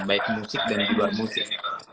baik musik dan juga musik